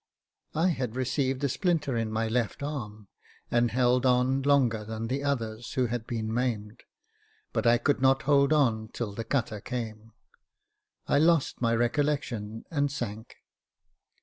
I had received a splinter in my left arm, and held on longer 364 Jacob Faithful than the others who had been maimed ; but I could not hold on till the cutter came ; I lost my recollection, and sank.